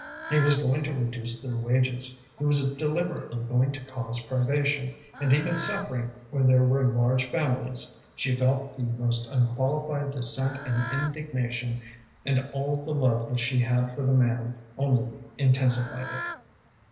He was going to reduce their wages, he was deliberately going to cause privation, and even suffering where there were large families. She felt the most unqualified dissent and indignation, and all the love which she had for the man only intensified it.